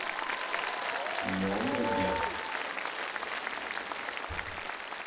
Nyongh me biang.